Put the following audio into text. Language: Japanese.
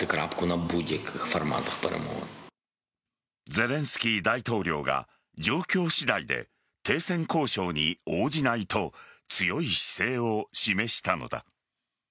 ゼレンスキー大統領が状況次第で停戦交渉に応じないと強い姿勢を示したのだ。